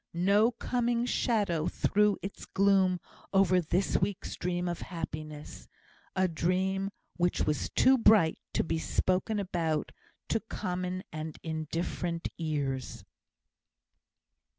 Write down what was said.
No coming shadow threw its gloom over this week's dream of happiness a dream which was too bright to be spoken about to common and indifferent ears.